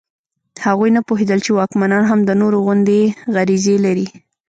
هغوی نه پوهېدل چې واکمنان هم د نورو غوندې غریزې لري.